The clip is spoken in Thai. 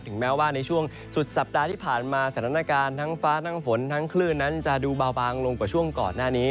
แม้ว่าในช่วงสุดสัปดาห์ที่ผ่านมาสถานการณ์ทั้งฟ้าทั้งฝนทั้งคลื่นนั้นจะดูเบาบางลงกว่าช่วงก่อนหน้านี้